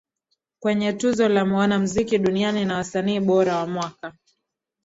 Kwenye Tuzo la Wanamziki Duniani na Msanii bora wa Mwaka